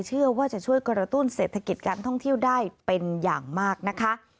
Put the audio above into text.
เชื่อว่าจะช่วยกระตุ้นเศรษฐกิจการท่องเที่ยวได้เป็นอย่างมากนะคะ